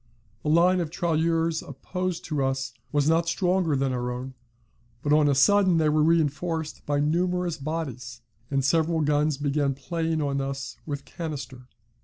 The line of tirailleurs opposed to us was not stronger than our own, but on a sudden they were reinforced by numerous bodies, and several guns began playing on us with canister.